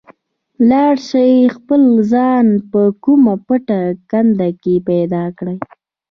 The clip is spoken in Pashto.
لاړ شئ خپل ځان په کومه پټه کنده کې پیدا کړئ.